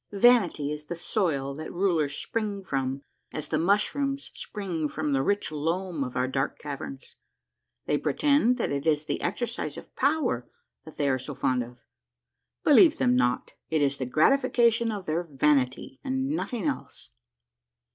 Vanity is the soil that rulers spring from, as the mushrooms spring from the rich loam of our dark caverns. They pretend that it is the exercise of power that they are so fond of. Believe them not. It is the gratifica tion of their vanity and nothing else.